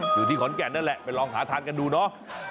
อยู่ที่ขอนแก่นนั่นแหละไปลองหาทานกันดูเนาะ